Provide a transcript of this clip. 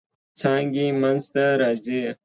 څانګې منځ ته راځي.